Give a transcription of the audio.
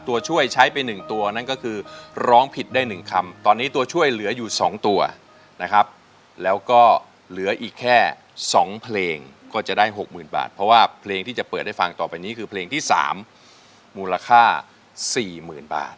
ตัวช่วยใช้ไป๑ตัวนั่นก็คือร้องผิดได้๑คำตอนนี้ตัวช่วยเหลืออยู่๒ตัวนะครับแล้วก็เหลืออีกแค่๒เพลงก็จะได้๖๐๐๐บาทเพราะว่าเพลงที่จะเปิดให้ฟังต่อไปนี้คือเพลงที่๓มูลค่า๔๐๐๐บาท